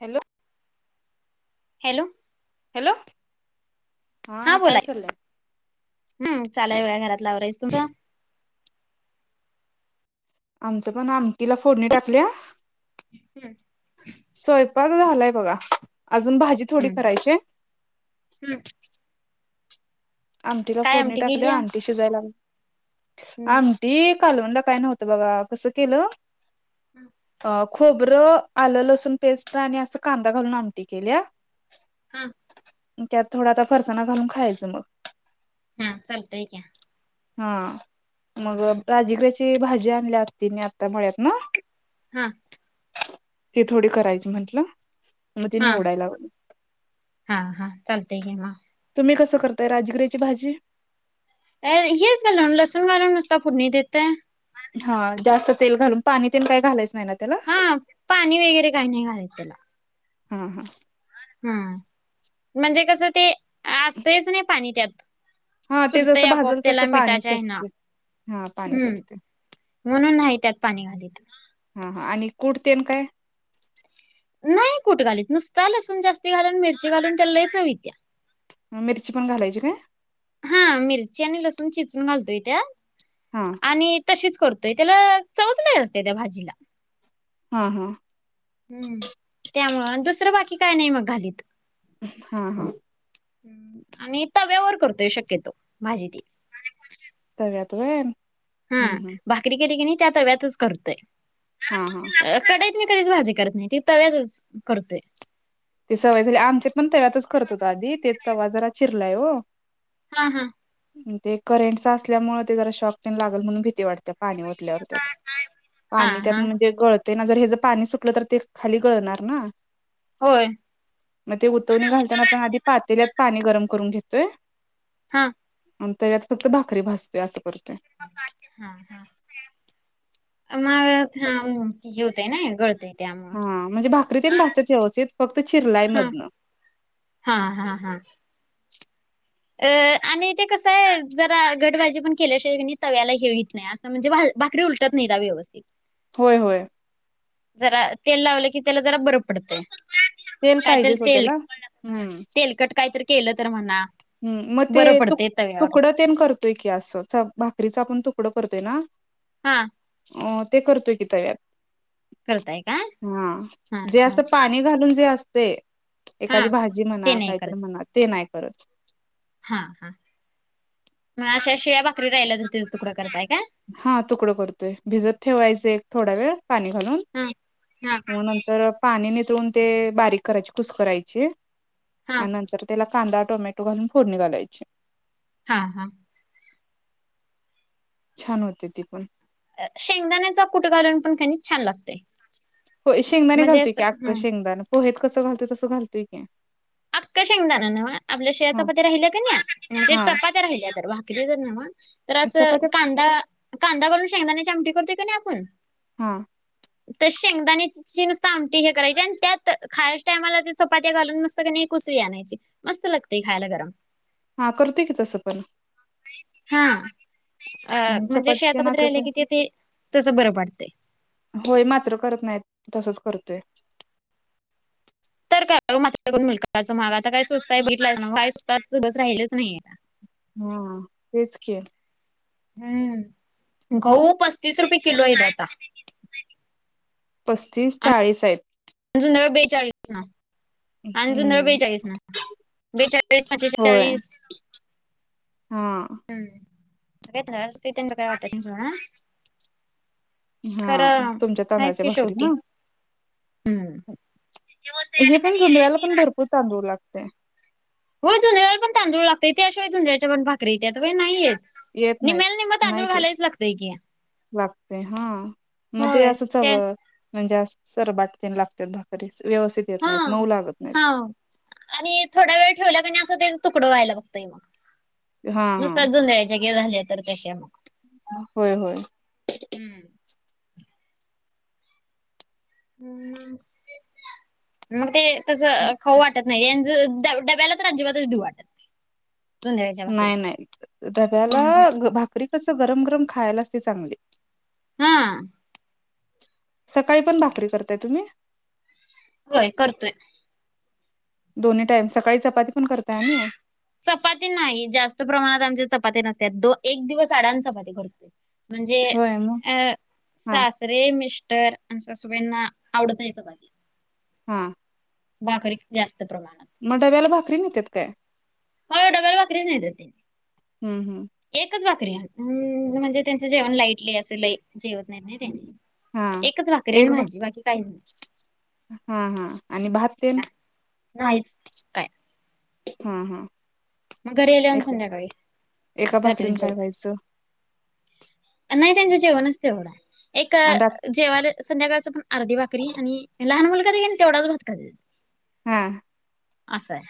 Hello hello hello हा बोलाय हम्म चालाय वे घरातलावरायच तुमचं. आमचं पण आमटीला फोडणी टाकल्या. हम्म स्वयंपाक झालाय बघा अजून भाजी. थोडी हम्म करायची ह ह आमटीला काय फोडणी आमटी टाकली केलीया आमटी शिजायला लाग हम्म आमटी कालूनला काय नव्हती. तर बघा कसं केलं. हम् अ खोबरं आलं लसूण पेस्ट आणि असं कांदा घालून आमटी केल्या. हा त्यात थोडा आता फरसाणा घालून खायचं मग. हा चालत आहे का? हा मग राजीगऱ्याची भाजी आणल्या हतीने आता म्हत ना. हा ते थोडी करायची म्हटलं. हा हा हा चालते घ म. तुम्ही कसं करताय राजगिरीची भाजी अ येच झालून लसण वाून नुसता पूर्णी देतय. हा जास्त तेल घालून पाणी तेल काय घालायच नाही ना. त्याला हा पाणी वगैरे काही नाही घालाय त्याला हा हा हम म्हणजे कसं ते असतच नाही पाणी त्यात हा ते सुटतय जसं आपोआप भाजल त्याला तसं पाणी मिटायच आहे ना सुटते हा पाणी हम्म. सुटते म्हणून नाही त्यात पाणी घालीत. हा हा आणि कुडतेन काय? नाही कुठ घालीत नुसता लसून जास्त घालून मिरची घालून त्या ल च होित्या मिरची पण घालायची काय? हा मिरची आणि लसूण चिचून घालतोय त्यात. हा, आणि तशीच करतोय त्याला चवच नाय असते, त्या भाजीला. हा हा, हम्म, त्यामुळ आणि दुसरं बाकी काय नाही मग घालीत. हा हा, हम्म, आणि तव्यावर करतोय शक्यतो भाजी ती. तव्यात होय. हा, भाकरी केली की नाही त्या तव्यातच करतोय. हा हा, कडईत मी कधीच भाजी करत नाही ती तव्यातच करतोय. ते सवय झाल्या. आमच्या पण तव्यातच करत होत आधी ते तवा जरा चिरलाय ओ. हा हा, ते करेंट असल्यामुळे ते जरा शॉक तेन लागल म्हणून भीती वाटत्या. पाणी ओतल्यावर त्यात हा पाणी हा त्यात म्हणजे गळत ते ना जर हेच पाणी सुटलं तर ते खाली गळणार ना. होय. मग ते उतवणी घालताना आपण आधी पातेल्यात पाणी गरम करून घेतोय. हा, मग तव्यात फक्त भाकरी भाजतोय असं करतोय. हा हा, मग हा होतय ना गळतय. त्यामुळं हा म्हणजे भाकरीतेन भाजत्यात व्यवस्थित फक्त चिरलाई हा मधनं. हा, हा, हा, अ आणि ते कसं आहे जरा घटभाजी पण केल्या शिवाय तव्याला हे होत नाही. नाही असं म्हणजे भा भाकरी उलटत नाही त्या व्यवस्थित. होय, होय, जरा तेल लावलं की त्याला जरा बर पडतंय. तेल कायतरी पाहिजेच ओ तेल, त्याला हम्म तेलकट काहीतरी केलं तर म्हणा. ह मग ते बरं तु पडतंय तव्यावर तुकडं ते करतोय की असं भाकरीच आपण तुकडं करतोय ना, हा, अ ते करतोय की तव्यात. करताय का? हा, हा जे हा असं पाणी घालून जे असतय. हा एखादी भाजी ते म्हणा, नाही काहीतरी करत म्हणा ते नाही करत. हा, हा, मग अशा शिळ्या भाकरी राहिल्या तर त्याच तुकडं करताय का? हा तुकड करतोय. भिजत ठेवायच एक थोडा वेळ पाणी घालून हा हा मग नंतर तर पाणी नितळून ते बारीक करायचे कुस्करायची हा आणि नंतर त्याला, कांदा, टोमॅटो घालून फोडणी घालायची. हा, हा, छान होते ती पण, शेंगदाण्याचा कुट घालून पण किनी छान लागतय. हो शेंगदाणे घालतोय की आख्ख हं शेंगदाण पोहेत कसं घालतोय तसं घालतोय की, आख्ख शेंगदाण नव्ह. आपल्या शिळ्या हा चपात्या राहिल्या का नाही म्हणजे हा चपात्या राहिल्या तर भाकरी जर नव्ह. तर असं चपात्या कांदा, कांदा घालून शेंगदाण्याची आमटी करतोय की नाही आपण हा, तर शेंगदाणेची नुसती आमटी हे करायची आणि त्यात खायच्या टायमाला ते चपात्या घालून नसतं किणी. उसळी आणायची मस्त लागते खायला गरम. हा करतोय की तसं पण, हा, अ हम्म, म्हणजे चपाती शिळ्या तेन चपात्या असलं राहिल्या कि ते तसं बरं पडतय. होय मात्र करत नाहीत तसच करतोय. मात्र मुलकाचा महाग आता काय स्वस्त हाय बघितलायसा काय सुद्धा स्वस्त अस राहिलेच नाहीत. हम्म तेच की! हम्म गहु पस्तीस रुपये किलो आहेत आता. पस्तीस, चाळीस आहेत. जुन बेचाळीस न! आणि जोंधळे हम्म बेचाळीस ना बेचाळीस, होय पंचेचाळीस. हा! हम्म, नाहीतर असते त्यांना काय वाटत नसल हा. हा तुमच्या आहेच तांदळाच्या की भाकरी शेवटी ना. हम्म हे पण जोंधळ्याला पण भरपूर तांदूळ लागतय. होय जोंधळ्याला पण तांदूळ लागतय त्याशिवाय जोंधळ्याच्या पण भाकरी येत्यात नाही येत. येत नाहीत निम्याला निम्म तांदूळ घालायच लागतंय की लागतंय हा मग ते असंच हवं. म्हणजे असं चरबाट तेन लागत्यात भाकरी, व्यवस्थित येत हा नाहीत मऊ लागत नाहीत. हा आणि थोडा वेळ ठेवला कान्हाय असं तेच तुकडं व्हायला बघतंय मग. हा हा नुसत जोंधळ्याच्या घेऊन आल्या तर कशा व्हय व्हय! हम्म! ह् मग ते तस खाऊ वाटत नाही. ड डब्याला तर अजिबातच देऊ वाटत नाही. झुंधळ्याच्या भाकरी न्हाय न्हाय डब्याला हम्म हम्म भाकरी कस गरम गरम खायला असते चांगली. हा! सकाळी पण भाकरी करताय तुम्ही. व्हय करतोय. दोन्ही टाईम सकाळी चपाती पण करताय आणि, चपाती नाही जास्त प्रमाणात आमचे चपाती नसत्या, एक दिवस अडान चपाती. म्हणजे होय मग अ हा सास रे मिस्टर आमचा सासूबाईंना आवडत नाही चपाती. हा! भाकरी जास्त प्रमाणात- मग डब्याला भाकरी नेत्यात काय? होय डब्याला भाकरीच नेत्यात. हम्म! एकच भाकरी म्हणजे त्यांच जेवण लाईटली अस लय जेवत नाहीत नाय ते. हा एकच भाकरी आणि एक ब भाजी बाकी काहीच नाही हा हा आणि भात तेन. नाहीच काय. हा हा! मग घरी आल्यावरण एक संध्याकाळी एका भाकरीन रात्रीच काय जेवतात. व्हायचं नाही त्यांचं जेवणच तेवढं आहे एक आण रात जेवायला संध्याकाळचं पण अर्धी भाकरी आणि लहान मुलगा घेईल तेवढाच भात खात्यात. हा! अस हाय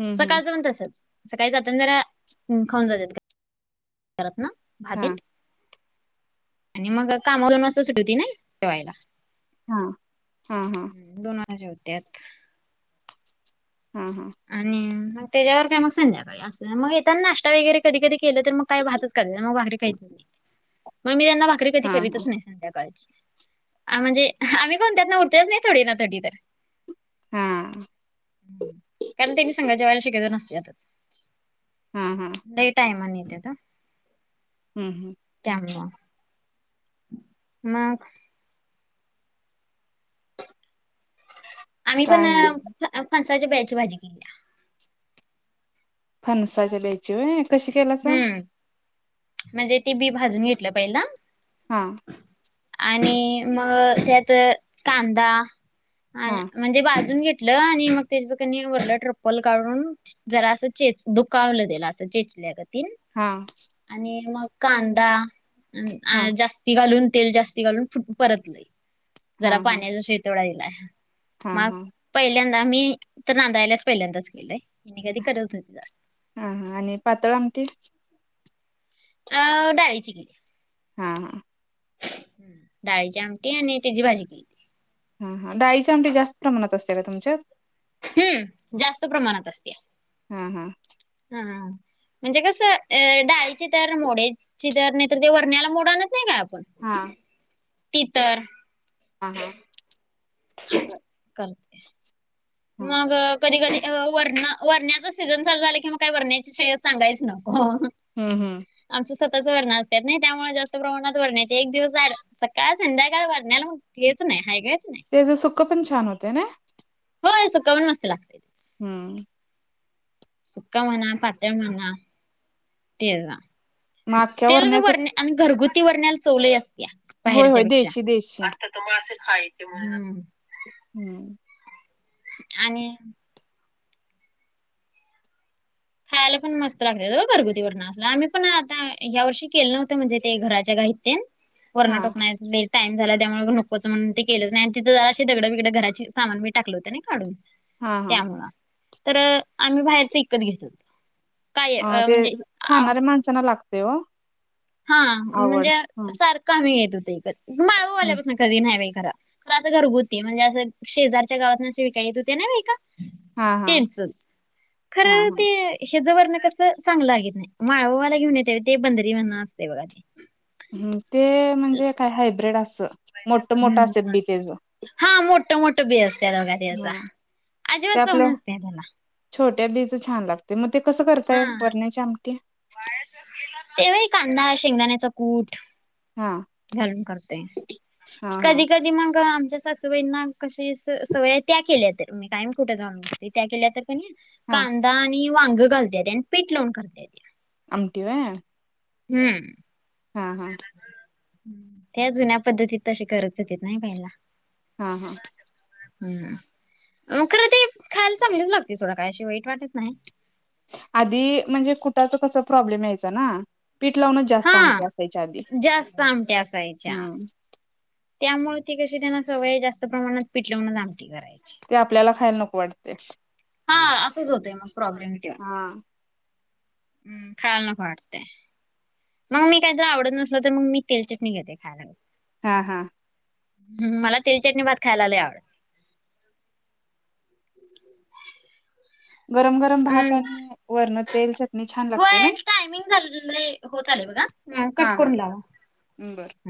हम्म हम्म सकाळच पण तसच. सकाळी जाताना जरा खाऊन जातात करत ना हा खातील. आणि मग कामावर दोन वाजता सुट्टी होती न्हाय जेवायला. हा हा हा! दोन वाजता जेवत्यात. हा हा आणि मग त्याच्यावर काय मग संध्याकाळी असे मग येताना नाश्ता वगैरे कधी कधी केलं तर मग काय भाताचं करणार मग भाकरी खायची मग मी त्यांना भाकरी कधी हा करीतच नाही संध्याकाळची म्हणजे आम्ही कोणत ना उरतेच ना थोडी ना कधी तरी हा कारण तेनीी सांगा जेवायला सगळेजण असत्यात हम् हम् लई टाईमण येतेत हम् हम त्यामवा मग आम्ही पण काय नाही फणसाच्या बियाची भाजी केलतीय फणसाच्या बियाची होय कशी केलासा हम्म म्हणजे ती बी भाजून घेतलं पाहिजे ना हा आणि मग त्यात कांदा हा म्हणजे भाजून घेतलं आणि मग त्याच वरलं ट्रप्पल काढून जरा अस चेच दुखवलं दिल असं चेचल्या का तीन हा आणि मग कांदा हा आ जास्त ती घालून तेल जास्त घालून परतलं हा जरा हा पाण्याचा शिंतोडा हा मग हा पहिल्यांदा मी इथं नांदाय आल्यास पहिल्यांदाच केलंय म कधी करत होती. हा हा आणि पातळ आमटी अ डाळीची हा हा हम्म. डाळीची आमटी आणि त्याची भाजी केली हा हा डाळीच्या आमटी जास्त प्रमाणात असते का तुमच्यात हम्म जास्त प्रमाणात असते हा हा हम म्हणजे कसं अ डाळीची तर मोडेची तर नाही तर ते वरण्याला मोड आणत नाही का आपण हा त तर हां हां असा करते मग कधी कधी वरण वरण्याच सीझन चालू झालं कि मग काही वरण्याची श सांगायच नको हम् हम् आमच स्वतच वरण असतात नाही त्यामुळे जास्त प्रमाणात वरण्याचे एक दिवस सकाळ संध्याकाळ वरण्यालाग हेच नाही हागयच नाही तेच सुख पण छान होते ना होय सुक पण मस्त लागत हम्म सुका म्हणा पा तळ मणा ते मग अख्ख्या तेलग वरण्याच पर आणि घरगुती वर्ण्याल चव लय असत्या होय बाहेरच्या होय पेक्षा देशी देशी त मासे खायचे म्ह हम्म आणि खायला पण मस्त लागतात घरगुती व न असला आम्ही पण आता ह्या वर्षी केलं नव्हतं म्हणजे ते घराच्या गाई ते वरण हा टोकणार टाइम झाला त्यामुळेग नकोच म्हण ते केलंच नाही आणि तथं अे दगड बगडं घराचे सामान मी टाकलं होते ना नाही काढून हा हा त्यामुळ तर आम्ही बाहेरच इत घेत हो अ ते खाणाऱ्या माणसांना लागते हो हा आवड म्हणजे हा सारखं आम्ही घेत होत विकत माळव आल्यापासून कधी नाही बाई खर असं घरगुती म्हणजे असं शेजारच्या गावातूने विकाय येत होती नाही बाई हा हा तेचच खर हा हा ते, ह ज वरण कसं चांगलं लागत नाही माळ ववाला घेऊन येते ते बंदरी म्हण असते बघा ते ह्म ते म्हणजे काय हायब्र्रीड अस मोठ मोठं हम्म असत बी तेज हा मोठ मोठं बी असते त्याचा ते अजीबात चव आपल्या नसते त्याला. छोट्या बीचं छान लागते मग ते कसं करताय वरण्याच्या आमटी? तेव व्हय कांदा हा शेंगदाण्याचा कूट हा घालून करते हा हा कधी कधी मग आमच्या सासु बाईंना कशी सवय ना त्या केल्या तर मी कायम कुठं जाऊनते त्या केल्या तर प हा कांदा आणि वांग घालतेेत आणि पीठ लावून करता येतायत आमटी होय हम्म हा हा त्या जुन्या पद्धतीत तसे करत होेत नाही पहिला. हा हा हम्म मग खरं ते खायला चांगलीच लागते सोडा काय अशी वाईट वाटत नाही आध म्हणजे कुटाच कस प् प्रॉब्लेम यायचा जास्त हा आमटी असायचीआधी जास्त आमट्या असायच्या हम्म त्यामुळे ती कशी त्यांना सवय जास्त प्रमाणात पिठ लावून आमटी करायची ते आपल्याला खायला नको वाटते हा असच होतय मग प्रॉब्लेम हा हम्म खायल नको वाटते मग मी काहीत़री आवडत नसल, तर मग मी तेल चटणी घेते खायला. हा हा हम मला तेल चटणी भात खायला लय आवडतय गरम गरम भात हम्म आणि वरण तेल चटणी छान लागते नाही. टाइमिंग झाले होते आलय बघा कट करून लावा हम बरं